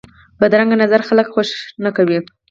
بدرنګه نظر خلک خوښ نه کوي